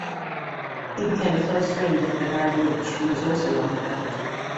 He became a close friend of Bernard Leach, who was also on the faculty.